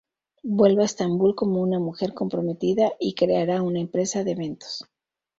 Vuelve a Estambul como una mujer comprometida y creará una empresa de eventos.